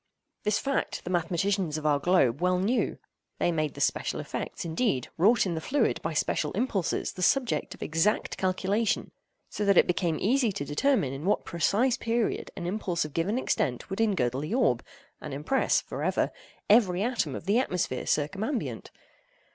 This fact the mathematicians of our globe well knew. They made the special effects, indeed, wrought in the fluid by special impulses, the subject of exact calculation—so that it became easy to determine in what precise period an impulse of given extent would engirdle the orb, and impress (for ever) every atom of the atmosphere circumambient.